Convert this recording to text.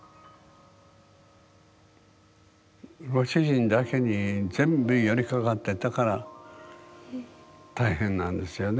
ご主人だけに全部寄りかかってたから大変なんですよね